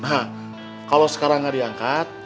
nah kalau sekarang nggak diangkat